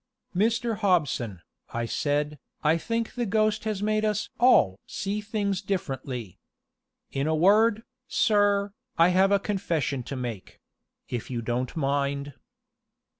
"Mr. Hobson," I said, "I think the ghost has made us all see things differently. In a word, sir, I have a confession to make if you don't mind."